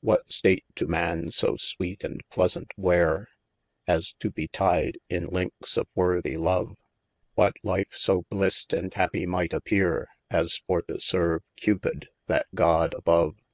WHat state to man, so sweets and pleasaunt weave. As to be tyed, in linkes of worthy love ? What life so blist and happie might appeare, As for to serve Cupid that God above ? 424 OF MASTER F.